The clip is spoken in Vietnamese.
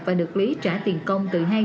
và được lý trả tiền công từ hai trăm linh